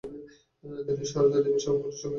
তিনি সারদা দেবীর সর্বক্ষণের সঙ্গী ছিলেন।